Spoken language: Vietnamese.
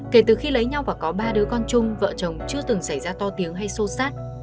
kể từ khi lấy nhau và có ba đứa con chung vợ chồng chưa từng xảy ra to tiếng hay sô sát